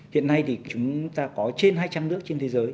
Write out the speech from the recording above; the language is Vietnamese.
hiện nay chúng ta có trên hai trang nước trên thế giới